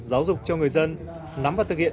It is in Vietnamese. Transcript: giáo dục cho người dân nắm và thực hiện